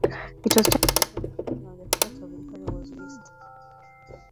It was twenty years before the finding of the Court of Inquiry was released.